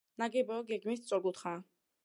ნაგებობა გეგმით სწორკუთხაა.